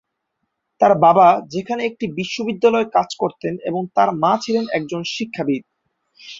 তার বাবা সেখানে একটি বিশ্ববিদ্যালয়ে কাজ করতেন এবং তার মা ছিলেন একজন শিক্ষাবিদ।